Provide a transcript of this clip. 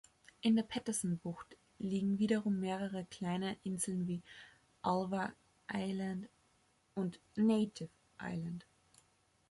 In der Paterson-Bucht liegen wiederum mehrere kleine Inseln wie Ulva Island und Native Island.